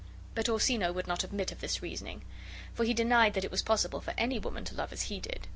But Orsino would not admit of this reasoning, for he denied that it was possible for any woman to love as he did.